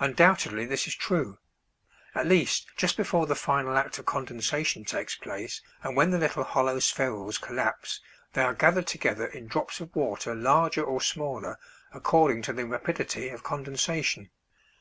Undoubtedly this is true; at least just before the final act of condensation takes place; and when the little hollow spherules collapse they are gathered together in drops of water larger or smaller according to the rapidity of condensation.